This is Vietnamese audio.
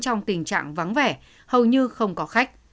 trong tình trạng vắng vẻ hầu như không có khách